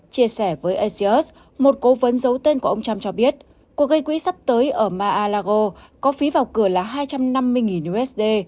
chia sẻ với asius một cố vấn dấu tên của ông trump cho biết cuộc gây quỹ sắp tới ở mar a lago có phí vào cửa là hai trăm năm mươi usd